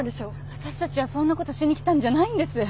私たちはそんな事しに来たんじゃないんです。